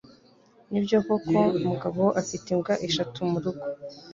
Nibyo koko Mugabo afite imbwa eshatu murugo?